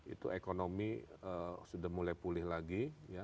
itu ekonomi sudah mulai pulih lagi